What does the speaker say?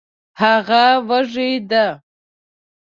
هغه وږې ده